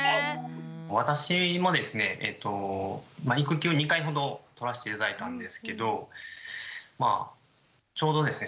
私もですね育休２回ほど取らせて頂いたんですけどちょうどですね